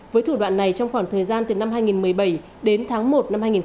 với thủ đoạn này trong khoảng thời gian từ năm hai nghìn một mươi bảy đến tháng một năm hai nghìn hai mươi